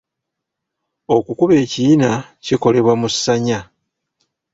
Okukuba ekiyina kikolebwa mu ssanya.